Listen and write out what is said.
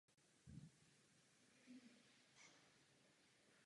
Můj poslední bod se týká dvanáctidenního pravidla.